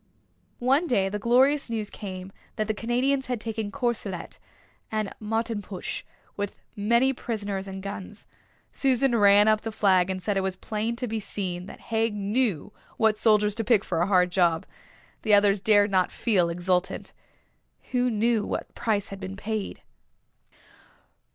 One day the glorious news came that the Canadians had taken Courcelette and Martenpuich, with many prisoners and guns. Susan ran up the flag and said it was plain to be seen that Haig knew what soldiers to pick for a hard job. The others dared not feel exultant. Who knew what price had been paid?